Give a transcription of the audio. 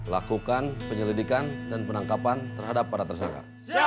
lakukan penyelidikan dan penangkapan terhadap para tersangka